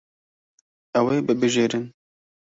Ew ê bibijêrin.